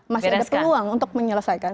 masih ada peluang untuk menyelesaikan